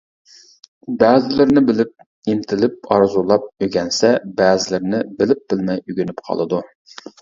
بەزىلىرىنى بىلىپ، ئىنتىلىپ، ئارزۇلاپ ئۆگەنسە، بەزىلىرىنى بىلىپ-بىلمەي ئۆگىنىپ قالىدۇ.